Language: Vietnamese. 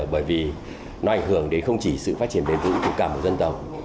bởi vì nó ảnh hưởng đến không chỉ sự phát triển bền vững của cả một dân tộc